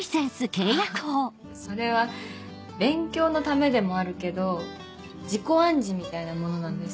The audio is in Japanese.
あっそれは勉強のためでもあるけど自己暗示みたいなものなんです。